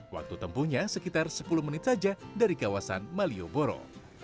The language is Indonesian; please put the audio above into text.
waktu tempuhnya sekitar sepuluh menit saja dari kawasan malioboro